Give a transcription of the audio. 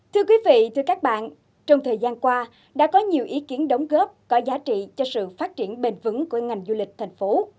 thưa quý vị thưa các bạn trong thời gian qua đã có nhiều ý kiến đóng góp có giá trị cho sự phát triển bền vững của ngành du lịch thành phố